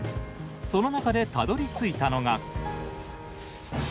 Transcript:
その中でたどりついたのが。